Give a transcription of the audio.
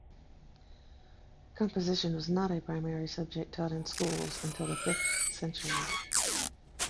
Composition was not a primary subject taught in schools until the fifth century.